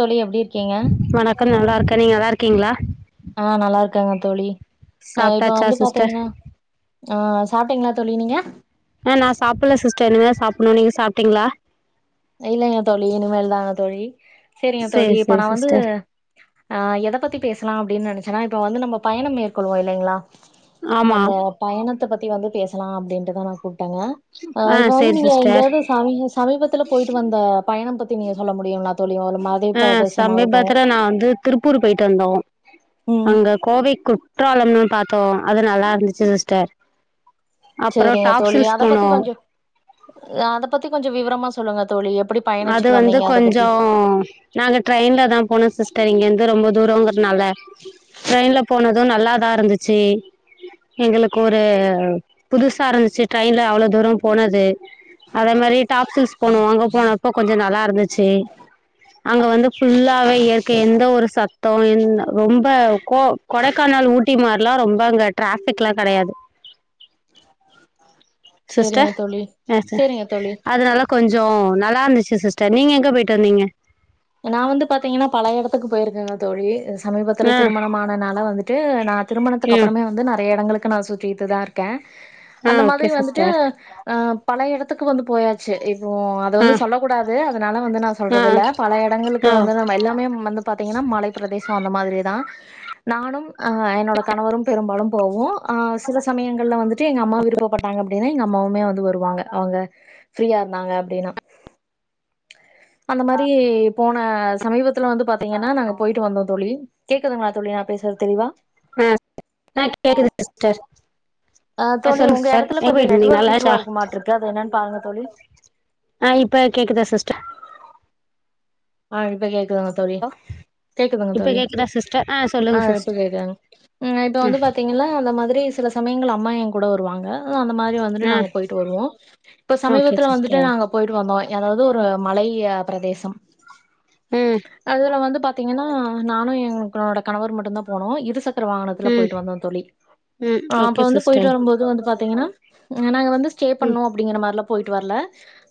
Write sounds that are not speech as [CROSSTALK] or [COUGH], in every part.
தோழி எப்டி இரு வணக்கம் நல்லா இருக்கே நீங்க நல்லா இருக்கீங்ளா இருக்காங்க தோழி அ இப்ப சாப்ட்டாச்சா வந்து சிஸ்டர் பாத்தீங்கன்னா ஆ சாப்டீங்களா தோழி நீங்க சாப்பணு நீங்க சாப்டீங்களா இல்லைங்க தோழி இனிமேல் தாங்க தோழி சரிங்க தோழி சேரி இப்ப சேரி நான் வந்து சிஸ்டர் ஆ எதை பத்தி பேசலா அப்படின்னு நினைக்க அதா இப்ப வந்து நம்ம பயணம் மேற்கொள்வோ இல்லைங்களா ஆமா அந்த பயணத்த பத்தி தி வந்து பேசலா அப்டிட்டுதா நா கூப்டேங்க ஆ இப்ப வந்து சேரி நீங்க சிஸ்டர் எங்கையாவது ச சமீபத்தி தில போயிட்டு வந்த பயணம் பத்தி நீங்க சொல்ல முடியுங்லா தோழி மலை ஆ பிரதேசமாகட்டு சமீபத்துல நா வந்து திருப்பூர் போயிட்டு வந்தோ ம் அங்க கோவை குற்றாலம்னு பாத்தோ அது நல்லா இருந்துச்சு சிஸ்டர் அப்புறோ சேரிங்க தோழி டாப்சில்ஸ் அத பத்தி போனோ கொஞ்சோ அத பத்தி கொஞ்சோ விவரமா சொல்லுங்க தோழி எப்டி அது பயணிச்சுட்டு வந்து வந்தீங்க அத பத்தி கொஞ்சோ நாங்க ட்ரெயின்ல தான் போனோ சிஸ்டர் இங்கருந்து ரொம்ப தூரங்கறனால ல ட்ரெயின்ல போனது நல்லாதா இருந்துச்சு எங்களுக்கு ஒரு புதுசா இருந்துச்சு ட்ரெயின்ல அவ்வள தூர போனது அதே மாரி டாப்சில்ஸ் போனோ அங்க போன நல்லா இருந்துச்சு அங்க வந்து ஃபுல்லாவே இயற்கை எந்த ஒரு சத் தோ எந் ரொம்ப கொ கொடைக்கானல் ஊட்டி மார் லா ரொம்ப அங்க டிராஃபிக்லா கெடையாது சேரிங்க சிஸ்டர் தோழி அ ச சேரிங்க தோழி அதனால கொஞ்சோ நல்லா இருந்ச்சு சிஸ்டர் நீங்க எங்க போய்ட்டு வந்திங்க நா வந்து பாத்திங்கனா பல எடத்துக்கு போயிருக்கங்க தோழி சமீபத்துல ஆ திருமணம் ஆனனால வந்துட் டு நா திருமணத்துக்கு ம் அப்புறமே வந்து நறைய எடங்களுக்கு நா சுற்றிட்டுதா இருக்க ஆ அந்த ஓகே மாதிரி வந்துட்டு சிஸ்டர் அ பல எடத்துக்கு வந்து போயாச்சு இப்போ அது ஆ வந்து சொல்லகூடாது னாலா வந்து நா ஆ சொல்றதில்ல பல எடங்களுக்கு ஆ வந்து ஆ நாம எல்லாமே வந்து பாத்திங்கனா மலை பிரதே ச அந்த மாதிரி தா நானும் அ என்னோட கணவரும் பெரும்பாலும் போவோ சில சமயங்கள்ல வந்து ட்டு எங்க அம்மா விருப்பப்பட்டாங்க அப் டினா எங்க அம்மாவுமே வந்து வருவாங்க அவங்க ஃப்ரீயா இருந்தாங்க அப்டினா அந்த மாதி ரி போன சமீபத்துல வந்து பாத்திங்கனா நாங்க போய்ட்டு வந்தோ தோழி கேக்குதுங்ளா தோழி நா பேசறது தெளிவா ஆ ஆ கேக்குது சிஸ்டர் ஆ தோழி சொல்லுங்க உங்க சிஸ்டர் எடத்துல எங்க கொஞ்ச போயிட்டு நெட் இருந்தீங்க ஒர்க் நல்லாச்சா இஷ்யுவா இருக்குமாட்ருக்கு அது என்னன் பாருங்க தோழி ஆ இப்ப கேக்குது சிஸ்டர் ஆ இப்ப கேக்குதுங்க தோழி ஹலோ கேக்குதுங்க இப்ப தோழி கேக்குதா சிஸ்டர் ஆ சொல்லுங்க இப்ப சிஸ்டர் கேக்குது ஆ இப்ப வந்து ம் பாத்திங்கனா அந்த மாதிரி சில சமயங்கள் அம்மா எங் கூட வருவாங்க அந்த மாதிரி வந்துட்டு ஆ நாங்க போய்ட்டு வருவோ இப்ப ஓகே சமீபத்துல வந்துட்டு சிஸ்டர் நாங்க போய்ட்டு வந்தோ எதாவுது ஒரு மலை ய பிரதேசம் ம் அதுல வந்து பாத் திங்கனா நானு எங்களோட கணவர் மட்டுந்தா போனோ இரு சக் க்கரவாகனத்துல ம் போயிட்டு வந்தோ தோழி ம் அப்ப ஓகே வந்து போயிட்டு சிஸ்டர் வரும்போது வந்து பாத்திங்கனா நாங்க வந்து ஸ்டே ம் பண்ணு அப்டிங்கிற மாரிலா போய்ட்டு வர்ல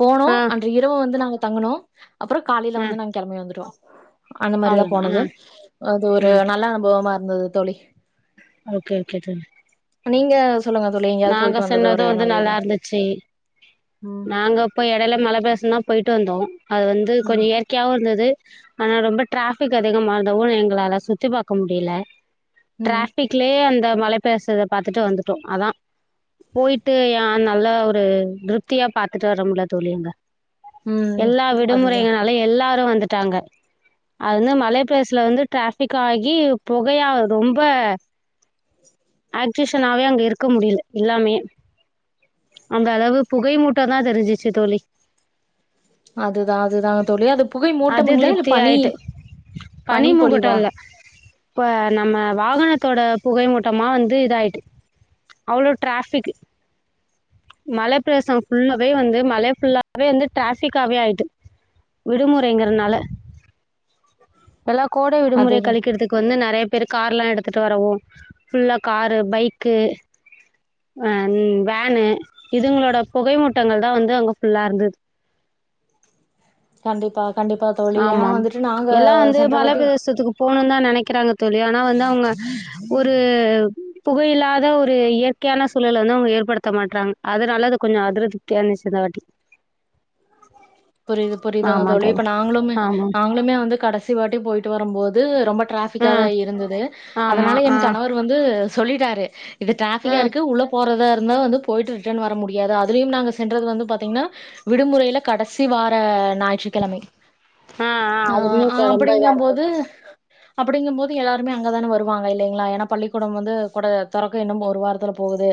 போனோ ஆ அன்று இரவு வந்து நாங்க தங்குனோ அப்பற காலைல ஆ வந்து நாங்க கெளம்பி வந்துட்டோ அந்த மாரிதா அவ்ளோதா ஆ போனது அது ஒரு ம் நல்ல அனுபவமா இருந்தது தோழி ஓகே ஓகே தோழி நீங்க சொல்லுங்க தோழி எங்கயாவது நாங்க போயிட்டு வந்தது சென்னது ஒரு வந்து நல்ல நல்லா இதா இருந்துச்சி ம் நாங்க இப்ப எடைல மலப்பிரதேசந்தா போய் ட்டு வந்தோ அது வந்து கொஞ்ச ம் இயற்கையாவு இருந்துது ஆனா ரொம்ப டிராஃபிக் அதிகமா இருந்தவு எங்களால சுத்தி பாக்க முடியல ம் டிராஃபிக்லேயே அந்த மலை பிரதேசத பாத்துட்டு வந்துட்டோ அதா போயிட்டு ஏ நல்லா ஒரு திருப்தியா பாத்துட்டு வர முடில தோழி அங்க ம் எல்லா அதுதா விடுமுறைகளனாலு எல்லாரு வந்துட்டாங்க அது வந்து மலை பிரதேசதுல வந்து டிராஃபிக் ஆகி புகையா ரொம்ப ஆக்டிஷனாவே அங்க இருக்க முடில இல்லாமயே அந்த அளவு புகை மூட்ட தா தெரிஞ்சிச்சு தோழி அதுதா அதுதா தோழி அது புகை அது மூட்டமுங்ளா இல்ல திருப்தி பனி ஆயிட்டு பனி முகட்ட இல்ல இப்ப நம்ம வாகனத்தோட புகை மூட்டமா வந்து இதாயிட்டு அவ்ளோ டிராஃபிக் மலைப்பிரதேச ஃபுல்லாவே வந்து மலே ஃபுல்லாவே வந்து டிராஃபிக்காவே ஆயிட்டு விடுமுறைங்கறனால எல்லா கோடை விடுமுறைய அதுதா கழிக்கிறதுக்கு வந்து நறையா பேரு கார்லா எடுத்துட்டு வரவு ஃபுல்லா காரு பைக்கு அ ன் வேனு இதுங்களோட புகை மூட்டங்கள் தா வந்து அங்க ஃபுல்லா இருந்துது கண்டிப்பா கண்டிப்பா தோழி ஏன்னா ஆமாம் வந்துட்டு நாங்க எல்லா வந்து சென்ற மல வாட்டி பிரதேசத்துக்கு போகணுன் தா நெனைக் கிறாங்க தோழி ஆனா வந்து அவங்க ஒரு புகயில்லாத ஒரு இயற்க்யான சூலல வந்து அவுங்க ஏற்படுத்த மாட்றாங்க அதுனால அது கொஞ்சொ அதுறது தியார்னிஷ் இந்த வாட்டி புரிய்து புரிய்தங்க தோழி இப்ப நாங்ளுமே ஆமாம் நாங்ளுமே வந்து கடஸ் சிவாட்டி போயிட்டு வரம்போது ரொம்ப ஆ ட்ராபிக்கா தா இருந்தது ஆமாம் அதனால ஆ என் கணவர் வந்து சொல்லிட்டாரு இது ஆ ட்ரேஃபிக்கா இருக்கு உள்ள போறத இருந்த வந்து போயிட்டு ரிட்டன் வர முடியாது அதுலியும் நாங்க சென்றது வந்து பாத்தீங்னா விடுமுறைல கடசி வார ஞாயிற்றுக்கெழமை ஆ ஆ அ அது இன்னும் ரொம்ப இதாக இருக்கும் அப்படிங்கபோது அப்படிங்கம்போது எல்லாருமே அங்க தான வருவாங்க இல்லைங்ளா ஏனா பள்ளிக்கூடம் வந்து கொட தொறக்க இன்னும் ஒரு வாரத்துல போகுது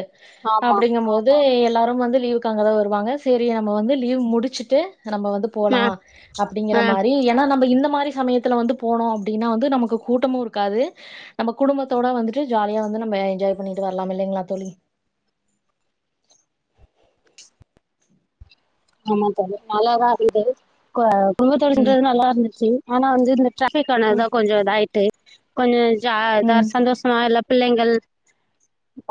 ஆமாம் அப்டிங்கம்போது எல்லாரும் வந்து லீவுக்கு அங்க தா வருவாங்க சேரி நம்ம வந்து லீவ் முடுச்சுட்டு நம்ப வந்து போலா ஆ அப்டிங்கிற ஆ மாரி ஏன்னா நம்ப இந்த மாரி சமயத்துல வந்து போனோ அப்டினா வந்து நமக்கு கூட்டமும் இருக்காது நம்ப குடுமத்தோட வந்துட்டு ஜாலியா வந்து நம்ப என்ஜாய் பண்ணிட்டு வர்லாம் இல்லைங்ளா தோழி ஆமா தோழி மல தா [UNINTELLIGIBLE] [UNINTELLIGIBLE] ம் சென்றது நல்லார்ந்துச்சு ஆனா வந்து இந்த ட்ரபிக் ஆனதுதா ம் கொஞ்சொ இதாயிட்டு கொஞ்ச ஜா த ம் சந்தோசமா எல்லா பிள்ளைங்கள்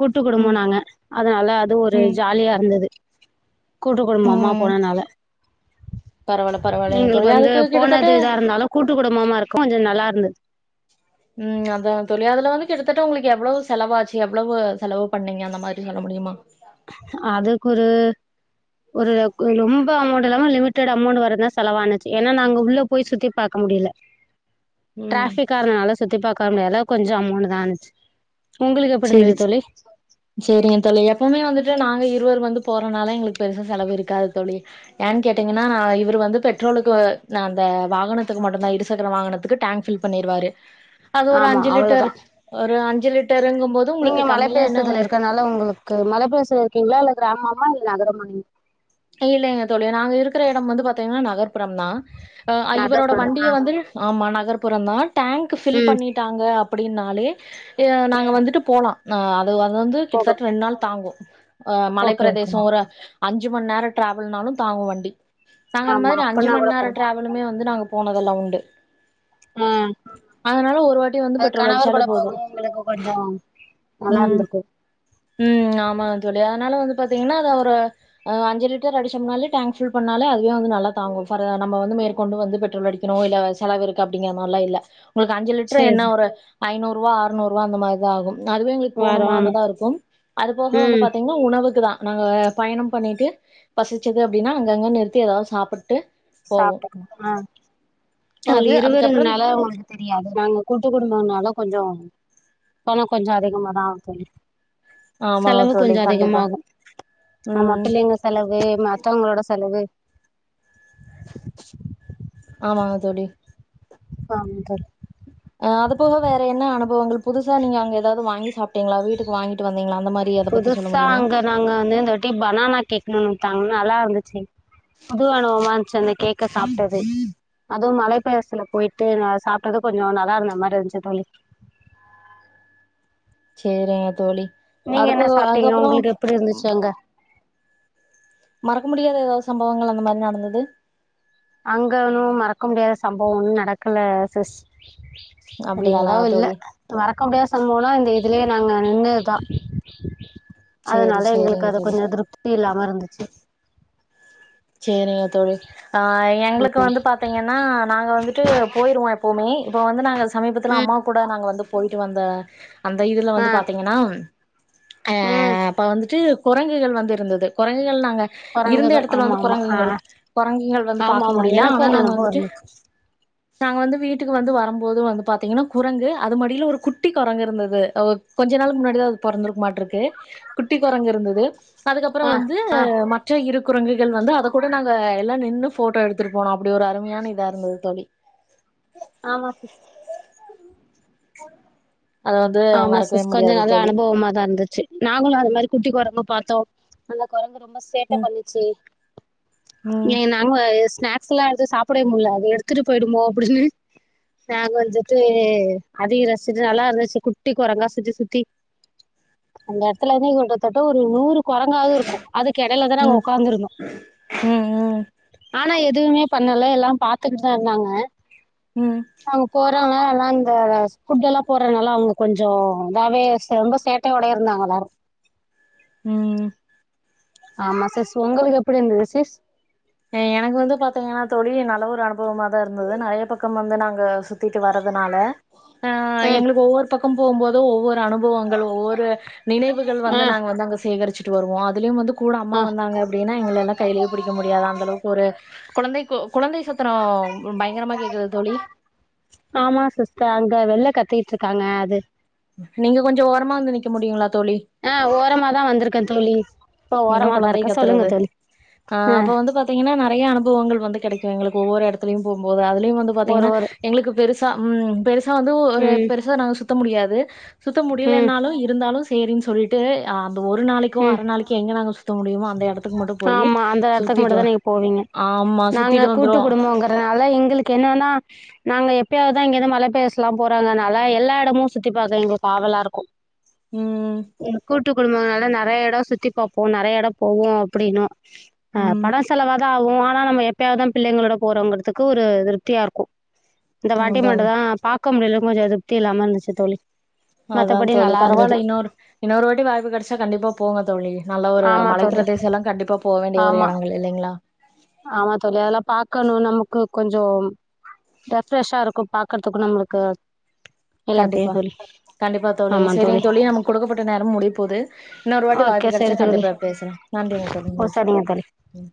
கூட்டு குடும்போ ம் நாங்க அதனால அது ஒரு ம் ஜாலியா அருந்தது கூட்டு குடு ம் போனனால [INAUDIBLE] பரவால்லைங்க எங்களுக் தோழி வந்து அதுக்கு கிட்டத்தட்ட போனது இதா இருந்தாலு கூட்டு குடும்மமா இருக்கு [UNINTELLIGIBLE] நல்லா இருந்துச் ம் அதா தோழி அதுல வந்து கிட்டத்தட்ட உங்ளுக்கு எவ்ளோ செலவாச்சி எவ்ளவு செலவு பண்ணீங்க அந்த மாரி சொல்ல முடியுமா அதக் ஒரு ஒரு அக் கு ரொம் அமோண்ட் எல்லாம லிமிடடா அமோண்ட் வரந்தா செலவானுச் ஏன்னா நாங்க உள்ள போய் சுத்தி பாக்க முடிய்ல ம் ட்ராஃபிக்கா இருந்னால சுத்தி பாக்க வர் முடியால கொஞ்ச அமோண்டு தா ஆனுச்சு உங்களுக்கு எப்டி இருந்தது சேரிச் தோழி சேரிங்க தோழி எப்பவுமே வந்துட் நாங்க இருவர் வந்து போறனால எங்ளுக் பெருசா செலவு இருக்காது தோழி ஏன் கேட்டீங்கனா இவுர் வந்து பெட் ட்ரோலுக்குவ நா அந்த வாகனத்துக்கு மட்டுந்தா இருசக்கர வாகனத்துக்கு டேங்க் ஃபில் பண்ணிருவாரு அது ஒரு ஆமா அஞ்சி அவ்ளோதா லிட்டர் ஒரு அஞ்சு லிட்டருங்ம நீங்க மல பேசதுல இருக்கனால உங்குளுக்கு மல பேசுல இருக்கீங்ளா இல்ல கிராமம் மா இல் நகரமா நீங் இல்லைக தோழி நாங்க இருக்குற எ டம் வந்து பாத்தீங்னா நகர்புறம் தா அ இவரோட நகர்புறம் வண்டிய ஆ வந்து ஆமா நகர்புறந்தா டேங்க் ஃபில் ம் பண்ணிட்டாங்க அப்படின்னாலே நாங்க ம் வந்துட்டு போலா அது அது வந்து போகலாம் கிட்த்தட்ட ரெண் நாள் தாங்கு அ ஓகே ஓகே மலைபிரதேசொ ஒரு அஞ்சு மண் நேரொ ட்ராவெல்னாலு தாங்கு வண்டி நாங்க அந்த ஆமா மாதுரி அஞ்சு அப்பனா மண் கூட நேர பரவா ட்ராவலுமே வந்து நாங்க போனதெல்லா உண்டு ம் அதனால ஒரு வாட்டி வந்து பெட்ரோல் கணவர் கூட அடிச்சாலே போகு போதும் ஒங்குளுக்கு கொஞ்சொ ம் நல்லார்ந்துருக்கு ம் ஆமாங்க தோழி அதனால வந்து பாத்தீங்கன்னா அத ஒரு அஞ்சுலிட்டர் அடிச்சம்னாலே டேங்க் ஃபுல் பண்ணாலே அதுவே வந்து நல்லா தாங்கு ஃபரு நம்ம வந்து மேற்கொண்டு வந்து பெட்ரோல் அடிக்கணு வெள்ள வேர் செலவிருக்கு அப்டிங்கிற மார் லா இல்ல ஒங்ளுக்கு அஞ்சு லிட்ரு சரி என்ன சரி ஒரு ஐநூறுவா அறுநூறுவா அந்த மாரிதா ஆகு அதுவே எங்ளுக் வரோம் ஆமா போணுமானதா இருக்கு அது போக வந்து ம் பாத்தீங்னா உணவுக்கு தா நாங்க பயணம் பண்ணிட்டு பசிச்சிது அப்டினா அங்கங்க நிற்த்தி ஏதாவ்து சாப்புட்டு போவோ சாப்ட்டுக்னு அ அவள் அது அதுக்கப்புறம் இருவருங்னால ஒங்களுக் தெரியாது நாங்க கூட்டு குடும்பனால கொஞ்ச பண கொஞ்ச அதிகமா தா ஆவு தோழி ஆமா செலவு தோழி கொஞ்ச கண்டிப்பா அதிகமாகு நம்ம ம் பிள்ளைங்க செலவு மத்தவுங்ளோட செலவு ஆமாங்க தோழி ஆம் தோழி ஆ அது போக வேற என்ன அனுபவங்கள் புதுசா நீங்க அங்க ஏதாவது வாங்கி சாப்ட்டீங்களா வீட்டுக்கு வாங்கிட்டு வந் புதுசா அங்க நாங்க வந்து இந்தவாட்டி பனானா கேக்னு குடுத்தாங்க நல்லா இருந்துச்சு புது அனுபவமா இருந்துச்சி அந்த கேக்க சாப்ட்டது அதுவும் மலைப்பயசுல போயிட்டு நா சாப்ட்டது கொஞ்ச நல்லா இருந்த மாரி இருந்துச்சு தோழி சேரிங்க தோழி நீங்கள் அதுபோ என்ன சாப்பிட்டீங்க அதுக்கப்றோ உங்களுக்கு எப்படி இருந்துச்சு அங்கே மறக்க முடியாத ஏதாவது சம்பவங்கள் அந்த மாரி நடந்தது அங்க ஒன்னு மறக்க முடியாத சம்பவோ ஒன்னு நடக்கல சிஸ் அப்டிங்களா அந்தளவு இல்ல தோழி மறக்க முடியாத சம்போவோனா இந்த இதுலயே நாங்க நின்னதுதா சேரி அதனால எங்களுக்கு சேரிங்க அது தோழி கொஞ்சோ திருப்தி இல்லாம இருந்துச்சு சேரிங்க தோழி ஆ எங்களுக்கு வந்து பாத்தீங்கன்னா நாங்க வந்துட்டு போய்ருவோ எப்போவுமே இப்ப வந்து நாங்க சமீபத்துல ம் அம்மா கூட நாங்க வந்து போய்ட்டு வந்த அந்த இதுல ஆ வந்து பாத்தீங்கன்னா ஆ ம் அப்ப வந்துட்டு கொரங்குகள் வந்து இருந்தது கொரங்குகள் நாங்க இருந்த குரங்குகள் எடத் வந்து ஆமாம் ஆமாம் ஆ கொரங்குங்கள் கொரங்குங்கள் வந்து ஆமாம் பாக்க ஆமாம் முடில எனக்கும் ஆனா அந்த நாங்க அனுபவம் வந்துட்டு இருந்துச்சு நாங்க வந்து வீட்டுக்கு வந்து வரம்போது வந்து பாத்தீங்கன்னா குரங்கு அது மடில ஒரு குட்டி கொரங்கு இருந்தது கொஞ்ச நாளுக்கு முன்னாடிதா அது பொறந்துருக்க மாட்ருக்கு குட்டி கொரங்கு இருந்தது அதுக்கப்றோ ஆ வந்து மற்ற இரு கள் வந்து அத கூட நாங்க எல்லா நின்னு ஃபோட்டோ எடுத்துட்டு போனோ அப்டி ஒரு அருமையான இதா இருந்தது தோழி ஆமா சிஸ் அத வந்து ஆமா மறக்கவே சிஸ் கொஞ்சோ முடியாது நல்ல தோழி அனுபவமாதா இருந்துச்சு நாங்களு அது மாரி குட்டி கொரங்க பாத் தோ அந்த கொரங்கு ரொம்ப சேட்ட ம் பண்ணுச்சு ம் இனி நாங்க ஸ்நாக்ஸ் எல்லா எடுத்து சாப்டவே முடில அது எடுத்துட்டு போய்டுமோ அப்டின்னு ஸ்நாக்க வச்சுட்டு அதயு ரசிச்சுட்டு நல்லா இருந்துச்சு குட் குட்டி கொரங்கா சுத்தி சுத்தி அந்த எடத்துல வந்து கிட்டத்தட்ட ஒரு நூறு கொரங்காது இருக்கு அதுக்கெடைல தா நாங்க ம் ஒக்காந்துருந்தோ ம் ஆனா எது துவுமே பண்ணல எல்லா பாத்துக்கிட்டுதா இருந்தாங்க ம் வர்றவங்க எல்லா இந்த ஃபுட் எல்லா போட்றனால அவுங்க கொஞ்சோ‌ இதாவே சே ரொம்ப சேட்டயோடயே இருந்தாங்க எல்லாரு ம் ஆமா சிஸ் உங்களுக்கு எப்டி இருந்தது சிஸ் ஆ எனக்கு வந்து பாத்தீங்கன்னா தோழி நல்ல ஒரு அனுபவமாதா‌ இருந்தது நெறைய பக்கம் வந்து நாங்க சுத்திட்டு வரதுனால ஆ ம் எங்களுக்கு ஒவ்வொரு பக்கோ‌ போம்போது ஒவ்வொரு அனுபவங்கள் ஒவ்வொரு நினைவுகள் ஆ வந்து நாங்க வந்து அங்க சேகரிச்சுட்டு வருவோ அதுலயு வந்து கூட ஆ அம்மா வந்தாங்க அப்டின்னா எங்களயெல்லா கையிலயே புடிக்க முடியாது அளவுக்கு ஒரு குழந்தை கொ குழந்தை சத்துரோ பயங்கரமா கேக்குது தோழி ஆமா சிஸ்டர் அங்க வெள்ள கத்திட்டு இருக்காங்க அது நீங்க கொஞ்சோ ஓரமா வந்து நிக்க முடியுங்களா தோழி ஆ ஓரமாதா வந்துருக்க தோழி இப்ப இன்னு ஓரமாதா குழந்தை இருக்கே சொல்லுங்க கத்துறது தோழி ஆ அப்போ வந்து பாத்தீங்கன்னா நெறைய அனுபவங்கள் வந்து கெடைக்கு எங்களுக்கு ஒவ்வொரு எடத்துலயு போம்போது அதுலயு வந்து ஒரு பாத்தீங்கன்னா ஒரு எங்களுக்கு பெருசா ம் பெருசா வந்து ஒரு ம் பெருசா நாங்க சுத்த முடியாது சுத்த ம் முடிலன்னாலு இருந்தாலு சேரின்னு சொல்லிட்டு அந்த ஒரு நாளைக்கோ ம் அர நாளைக் கி எங்க நாங்க சுத்த முடியுமோ அந்த எடத்துக்கு மட்டு போயி ஆமா அந்த எடத்துக்கு சுத்திட்டு மட்டுந்தா ஆமா சுத்திட்டு வந்துருவோ குடும்போங்கிறதுனால எங்களுக்கு என்னன்னா நாங்க எப்பயாதுதா இங்கருந்து மல ப்லேஸ்லா போறாங்கனால எல்லா எடமூ சுத்தி பாக்க எங்ளுக்கு ஆவலா இருக்கு ம் ம் கூட்டு குடும்பங்களால நெறைய எடோ சுத்தி பாப்போம் நெறைய எடோ போவோ அப்டின்னோ ம் பணோ செலவ் ஆவும் ‌ஆனா நம்ம எப்பயாது தா பிள்ளைங்ளோட போறோங்கிறதுக்கு ஒரு விருத்தியா இருக்கு இந்த வாட்டி அதான் மட்டு தா பாக்க முடிலனு கொஞ்சோ திருப்தி இல்லாம இருந்துச்சு தோழி அதான் ‌ மத்தபடி தோழி நல்லா இருந்தது பரவால்ல இன்னொரு இன்னொரு வாட்டி வாய்ப்பு கெடைச்சா கண்டிப்பா போங்க தோழி, நல்ல ஒரு ஆமா மலை தோழி பிரதேச எல்லா கண்டிப்பா போக வேண்டிய ஒரு ஆமா எடங்கள் இல்லைங்களா. ஆமா தோழி அதெல்லா பாக்கணு நமக்கு கொஞ்சோம் ரெஃப்ரெஷ்ஷா இருக்கும் பாக்றதுக்கும் நம்ளுக்கு கண்டிப்பா கண்டிப்பா தோழி சரிங்க தோழி நமக்கு கொடுக்கப்பட்ட நேரமும் முடிய போது இன்னொரு வாட்டி ஓகே வாய்ப்பு கிடைச்சா சரி தோழி கண்டிப்பா பேசுலா நன்றிங்க தோழி ஓ நன்றி சரிங்க தோழி ம்